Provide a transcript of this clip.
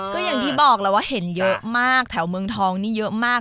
ก็อย่างที่บอกแล้วว่าเห็นเยอะมากแถวเมืองทองนี่เยอะมาก